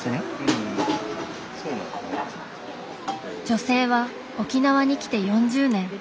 女性は沖縄に来て４０年。